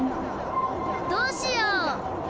どうしよう！